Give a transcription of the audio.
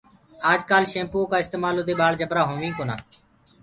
آج ڪآل شيمپوآ ڪآ استمالو دي ٻآݪ جبرآ هويِنٚ ئي ڪونآ۔